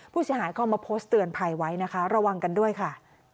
ผู้เสียหายเข้ามาโพสต์เตือนภัยไว้นะคะระวังกันด้วยค่ะ